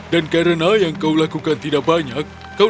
dan karena yang kau lakukan itu tidak berhasil untuk mengeringkan pakaianmu